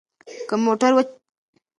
که موټر جوړ وي، موږ به حرکت وکړو.